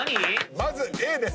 まずＡです。